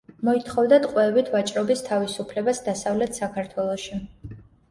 მოითხოვდა ტყვეებით ვაჭრობის თავისუფლებას დასავლეთ საქართველოში.